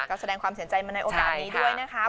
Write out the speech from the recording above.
ก็แสดงความเสียใจมาในโอกาสนี้ด้วยนะครับ